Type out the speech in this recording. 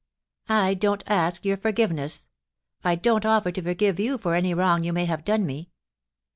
I don't ask your forgiveness ; I don't offer to forgive you for any wrong you may have done me.